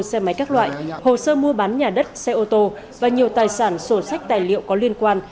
xe máy các loại hồ sơ mua bán nhà đất xe ô tô và nhiều tài sản sổ sách tài liệu có liên quan